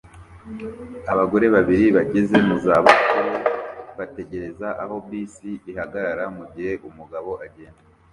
Abagore babiri bageze mu zabukuru bategereza aho bisi ihagarara mugihe umugabo agenda